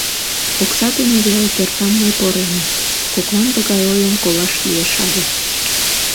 Окса дене веле кертам мый поремын», Коклан тыгай ойым колаш лиеш але